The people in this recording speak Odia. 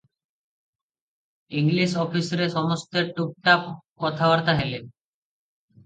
ଇଂଲିଶ୍ ଅଫିସରେ ସମସ୍ତେ ଟୁପ୍ଟାପ୍ କଥାବାର୍ତ୍ତା ହେଲେ ।